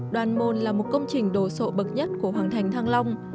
đoàn môn là một công trình đồ sộ bậc nhất của hoàng thành thăng long